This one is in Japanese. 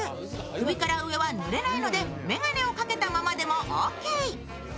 首から上はぬれないので眼鏡をかけたままでもオーケー。